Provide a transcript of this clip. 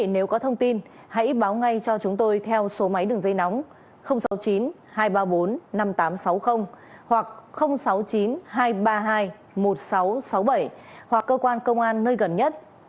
nếu có thông tin hãy báo ngay cho chúng tôi theo số máy đường dây nóng sáu mươi chín hai trăm ba mươi bốn năm nghìn tám trăm sáu mươi hoặc sáu mươi chín hai trăm ba mươi hai một nghìn sáu trăm sáu mươi bảy hoặc cơ quan công an nơi gần nhất